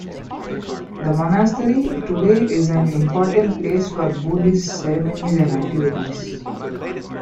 The monastery today is an important place for Buddhist ceremonies and activities.